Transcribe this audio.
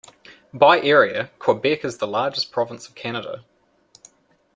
By area, Quebec is the largest province of Canada.